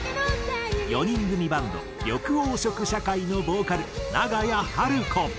４人組バンド緑黄色社会のボーカル長屋晴子。